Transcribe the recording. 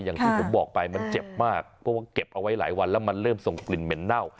อย่างที่ผมบอกไปมันเจ็บมากเพราะว่าเก็บเอาไว้หลายวันแล้วมันเริ่มส่งกลิ่นเหม็นเน่า